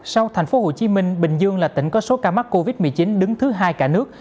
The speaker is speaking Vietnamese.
sau thành phố hồ chí minh bình dương là tỉnh có số ca mắc covid một mươi chín đứng thứ hai cả nước